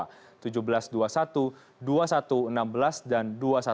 kawa seribu tujuh ratus dua puluh satu dua ribu satu ratus enam belas dan dua ribu satu ratus empat belas